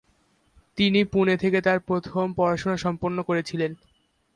তিনি পুনে থেকে তাঁর প্রাথমিক পড়াশোনা সম্পন্ন করেছিলেন।